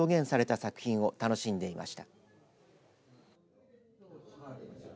作品を楽しんでいました。